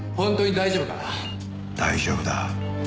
大丈夫だ。